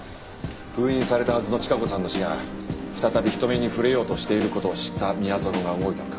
封印されたはずの千加子さんの死が再び人目に触れようとしている事を知った宮園が動いたのか。